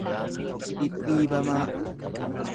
dhidhiibamaa.